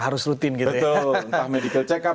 harus rutin gitu ya betul entah medical check up